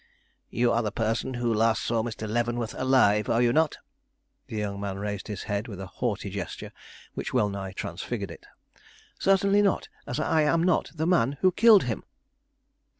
"You are the person who last saw Mr. Leavenworth alive, are you not?" The young man raised his head with a haughty gesture which well nigh transfigured it. "Certainly not, as I am not the man who killed him."